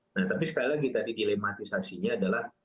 nah tapi sekali lagi tadi dilematisasinya adalah